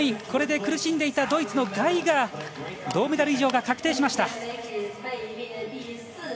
これで苦しんでいたドイツのガイガーの銅メダル以上が確定しました。